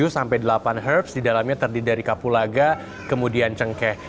tujuh sampai delapan herbs di dalamnya terdiri dari kapulaga kemudian cengkeh